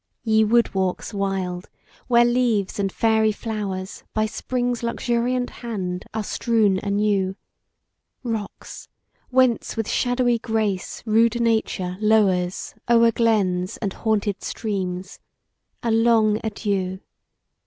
Ye wood walks wild! where leaves and fairy flowers By Spring's luxuriant hand are strewn anew; Rocks! whence with shadowy grace rude nature low'rs O'er glens and haunted streams! a long adieu!